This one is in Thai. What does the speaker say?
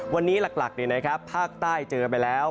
วันนี้หลักภาคใต้เจอไปแล้ว